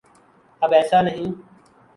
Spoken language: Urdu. اب ایسا نہیں۔